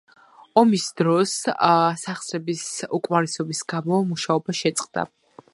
ომის დროს, სახსრების უკმარისობის გამო, მუშაობა შეწყდა.